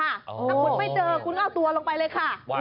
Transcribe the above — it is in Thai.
ถ้าคุณไม่เจอคุณก็เอาตัวลงไปเลยค่ะ